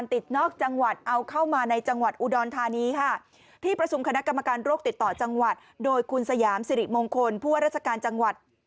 และก็จะรับสามสิริมงคลผู้ว่าราชการจังหวัด